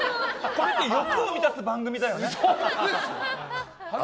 これって欲を満たす番組だよね。